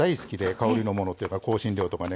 香りのものっていうか香辛料とかね